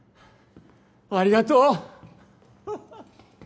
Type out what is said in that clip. ありがとう！